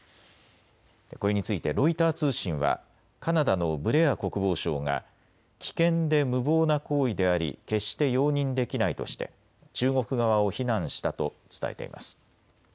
これについてロイター通信はカナダのブレア国防相が危険で無謀な行為であり決して容認できないとして中国側を非難したと伝えています。